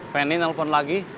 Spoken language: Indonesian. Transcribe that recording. pengennya nelfon lagi